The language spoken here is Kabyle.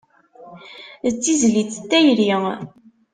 D tizlit n tayri.